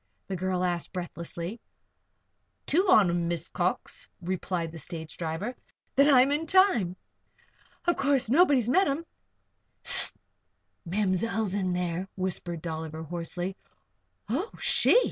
the girl asked, breathlessly. "Two on 'em, Miss Cox," replied the stage driver. "Then I'm in time. Of course, nobody's met 'em?" "Hist! Ma'mzell's in there," whispered Dolliver, hoarsely. "Oh! She!"